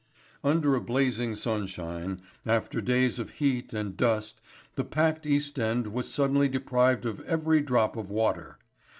Under a blazing sunshine after days of heat and dust the packed East End was suddenly deprived of every drop of water.